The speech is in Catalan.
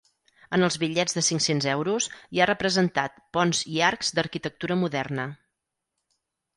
En els bitllets de cinc-cents euros hi ha representat ponts i arcs d'arquitectura moderna.